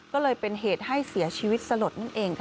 ก็เลยเป็นเหตุให้เสียชีวิตสลดนั่นเองค่ะ